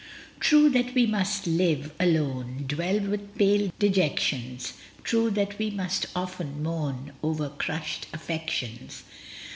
True that we must live alone, Dwell with pale dejections; True that we must often moan Over crushed affections.